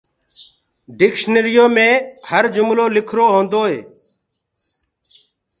ڊڪشنٚريو مي هر جُملولکرو هونٚدوئي